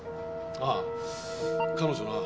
ああ彼女な。